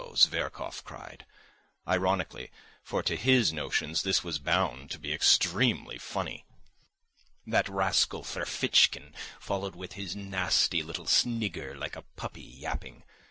Zverkov cried ironically, for to his notions this was bound to be extremely funny. That rascal Ferfitchkin followed with his nasty little snigger like a puppy yapping.